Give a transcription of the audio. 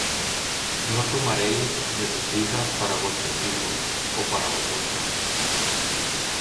No tomaréis de sus hijas para vuestros hijos, ó para vosotros.